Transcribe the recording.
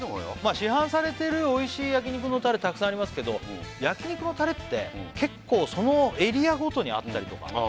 市販されてる美味しい焼肉のタレたくさんありますけど焼肉のタレって結構そのエリアごとにあったりとかあ